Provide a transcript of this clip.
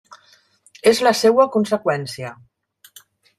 És la seua conseqüència.